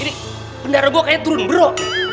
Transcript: ini bendara gue kayaknya turun bro